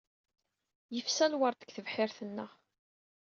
Yefsa lwerḍ deg tebḥirt-nneɣ.